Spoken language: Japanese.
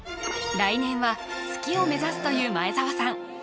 来年は月を目指すという前澤さん